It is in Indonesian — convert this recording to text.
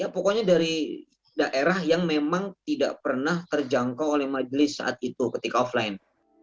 pokoknya dari daerah yang memang tidak pernah terjangkau oleh majelis saat itu ketika offline